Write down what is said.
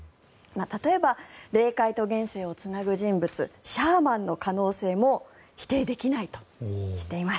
例えば、霊界と現生をつなぐ人物シャーマンの可能性も否定できないとしています。